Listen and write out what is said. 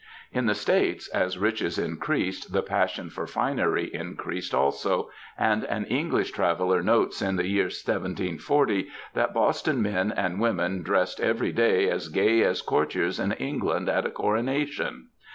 In the States, as riches increased, the passion for finery increased also, and an English traveller notes in the year 1740 that ^^ Boston men and women dressed every day as gay as courtiers in England at a coronation.